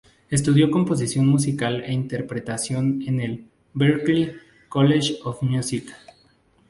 Estudió composición musical e interpretación en el 'Berklee College of Music'.